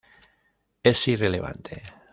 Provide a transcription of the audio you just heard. Es irrelevante".